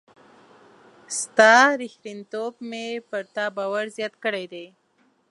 ستا ریښتینتوب مي پر تا باور زیات کړی دی.